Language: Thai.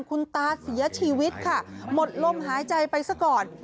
คุณตาเสียชีวิตค่ะหมดลมหายใจไปซะก่อน